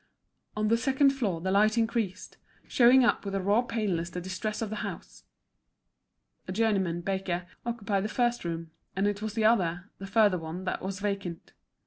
On the second floor the light increased, showing up with a raw paleness the distress of the house. A journeyman baker occupied the first room, and it was the other, the further one, that was vacant.